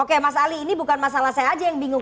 oke mas ali ini bukan masalah saya aja yang bingung